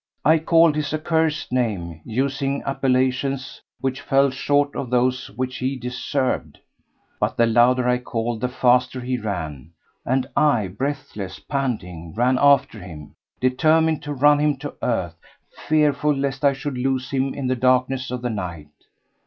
I called his accursed name, using appellations which fell far short of those which he deserved. But the louder I called the faster he ran, and I, breathless, panting, ran after him, determined to run him to earth, fearful lest I should lose him in the darkness of the night.